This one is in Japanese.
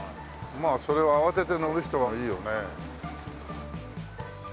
まあそれは慌てて乗る人はいいよね。